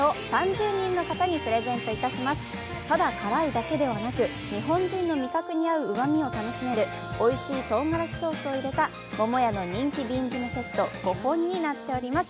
ただ辛いだけではなく日本人の味覚に合ううまみを楽しめるおいしい唐がらしソースを入れた、桃屋の人気壜詰セット５本になっております。